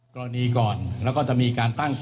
ก่อนแล้วก็จะมีการตั้ง